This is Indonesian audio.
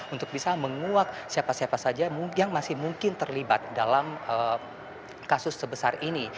untuk bisa menguak siapa siapa saja yang masih mungkin terlibat dalam kasus sebesar ini